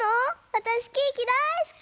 わたしケーキだいすき！